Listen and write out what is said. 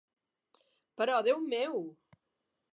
Però Déu meu!